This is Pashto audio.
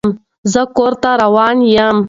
زه کور ته روان يم.